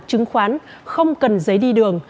chứng khoán không cần giấy đi đường